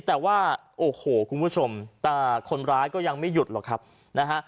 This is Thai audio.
แต่ว่าโอ้โหคุณผู้ชมแต่คนร้ายก็ยังไม่หยุดหรอกครับนะฮะ